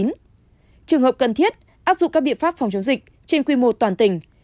trường hợp cần thiết áp dụng các biện pháp phòng chống dịch trên quy mô toàn tỉnh